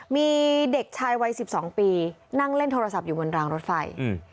มีเด็กชายวัยสิบสองปีนั่งเล่นโทรศัพท์อยู่บนรางรถไฟ